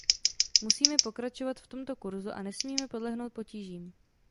Musíme pokračovat v tomto kurzu a nesmíme podlehnout potížím.